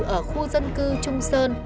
ở khu dân cư trung sơn